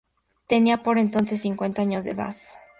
Tenía por entonces cincuenta años de edad.